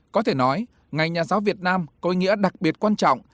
có thể nói ngày nhà giáo việt nam có ý nghĩa đặc biệt quan trọng